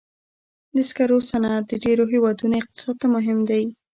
د سکرو صنعت د ډېرو هېوادونو اقتصاد ته مهم دی.